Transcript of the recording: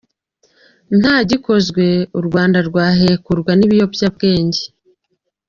Nta gikozwe, u Rwanda rwahekurwa n’ibiyobyabwenge .